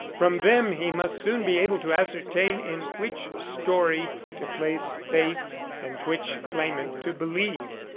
From them he must soon be able to ascertain in which story to place faith and which claimant to believe.